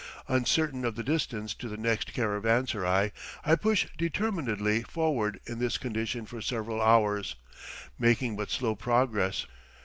Uncertain of the distance to the next caravanserai, I push determinedly forward in this condition for several hours, making but slow progress.